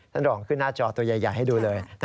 รองขึ้นหน้าจอตัวใหญ่ให้ดูเลย